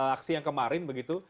aksi yang kemarin begitu